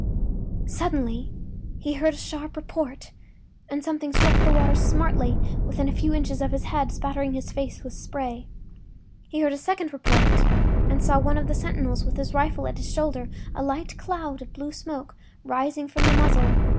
Suddenly he heard a sharp report and something struck the water smartly within a few inches of his head, spattering his face with spray. He heard a second report, and saw one of the sentinels with his rifle at his shoulder, a light cloud of blue smoke rising from the muzzle.